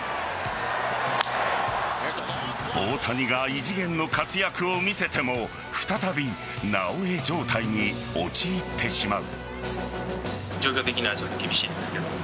大谷が異次元の活躍を見せても再び、なおエ状態に陥ってしまう。